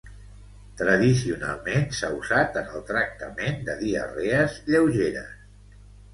Tradicionalment s'ha usat en el tractament de diarrees lleugeres.